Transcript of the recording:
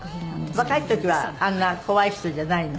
若い時はあんな怖い人じゃないの？